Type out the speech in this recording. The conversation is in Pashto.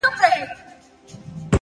مسافر ليونى!